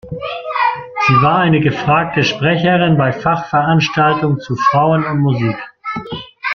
Sie war eine gefragte Sprecherin bei Fachveranstaltungen zu Frauen und Musik.